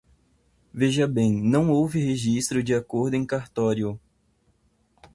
Veja bem, não houve registro do acordo em cartório.